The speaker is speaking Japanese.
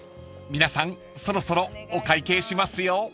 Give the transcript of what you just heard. ［皆さんそろそろお会計しますよ］